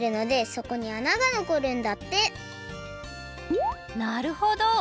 そこに穴がのこるんだってなるほど！